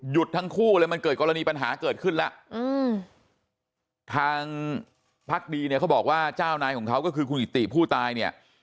ทั้งคู่เลยมันเกิดกรณีปัญหาเกิดขึ้นแล้วทางพักดีเนี่ยเขาบอกว่าเจ้านายของเขาก็คือคุณอิติผู้ตายเนี่ย